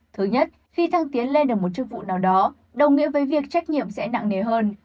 thứ nhất khi thăng tiến lên được một chức vụ nào đó đồng nghĩa với việc trách nhiệm sẽ nặng nề hơn